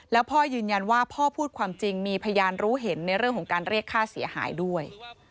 แล้วพ่อยืนยันว่าพ่อพูดความจริงมีพยานรู้เห็นในเรื่องของการเรียกค่าเสียหายด้วย